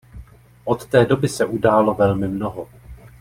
Od té doby se událo velmi mnoho.